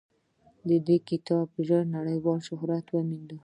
دې کتاب ژر نړیوال شهرت وموند.